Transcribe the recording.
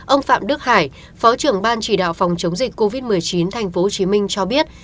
ông phạm đức hải phó trưởng ban chỉ đạo phòng chống dịch covid một mươi chín tp hcm cho biết